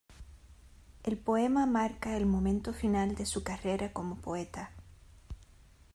El poema marca el momento final de su carrera como poeta.